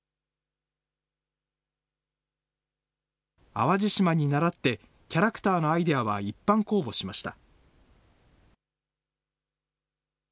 淡路島にならって、キャラクターのアイデアは一般公募しました。